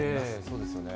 そうですよね。